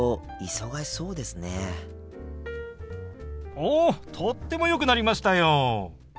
おとってもよくなりましたよ！